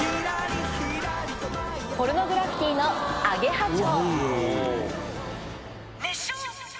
ポルノグラフィティのアゲハ蝶。